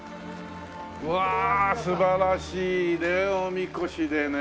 うわあ素晴らしいねおみこしでね。